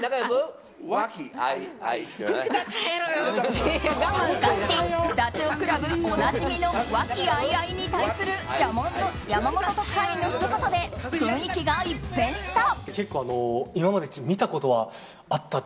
しかしダチョウ倶楽部おなじみの「わきあいあい」に対する山本特派員のひと言で雰囲気が一変した。